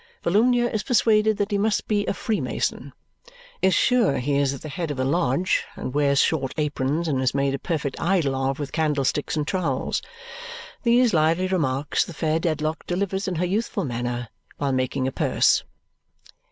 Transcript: Volumnia is persuaded that he must be a Freemason. Is sure he is at the head of a lodge, and wears short aprons, and is made a perfect idol of with candlesticks and trowels. These lively remarks the fair Dedlock delivers in her youthful manner, while making a purse.